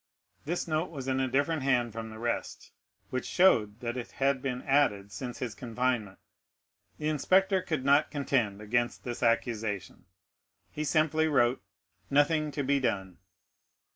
This note was in a different hand from the rest, which showed that it had been added since his confinement. The inspector could not contend against this accusation; he simply wrote, _Nothing to be done.